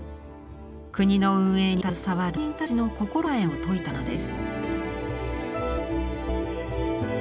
国の運営に携わる役人たちの心構えを説いたものです。